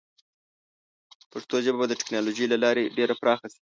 پښتو ژبه به د ټیکنالوجۍ له لارې ډېره پراخه شي.